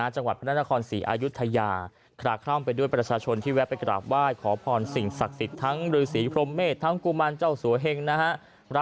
จังหวัดพระนครศรีอายุทยาคลาคล่ำไปด้วยประชาชนที่แวะไปกราบไหว้ขอพรสิ่งศักดิ์สิทธิ์ทั้งฤษีพรมเมษทั้งกุมารเจ้าสัวเฮงนะฮะ